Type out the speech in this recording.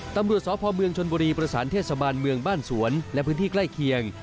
ตำรวจสพเมืองชนบุรีประสานเทศบาลเมืองบ้านสวนและพื้นที่ใกล้เคียง